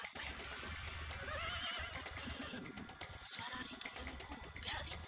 seperti suara rindu yang ku jari